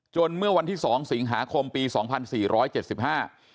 เมื่อวันที่สองสิงหาคมปีสองพันสี่ร้อยเจ็ดสิบห้า